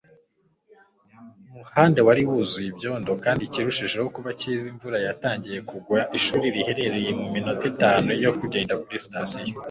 umuhanda wari wuzuye ibyondo, kandi ikirushijeho kuba cyiza, imvura yatangiye kugwa. ishuri riherereye muminota itanu yo kugenda kuri sitasiyo